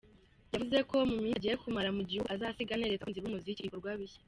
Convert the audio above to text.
Yavuze ko mu minsi agiye kumaramu gihugu azasiga aneretse abakunzi b’umuziki ibikorwa bishya.